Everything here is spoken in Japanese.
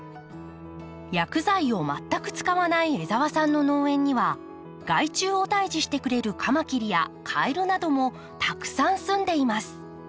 薬剤を全く使わない江澤さんの農園には害虫を退治してくれるカマキリやカエルなどもたくさんすんでいます。